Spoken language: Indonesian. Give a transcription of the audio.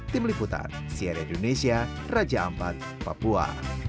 tim liputan cnn indonesia raja ampat papua